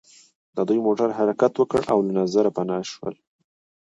د دوی موټرو حرکت وکړ او له نظره پناه شول